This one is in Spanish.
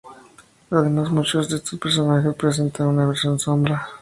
Además, muchos de estos personajes presentan una versión sombra.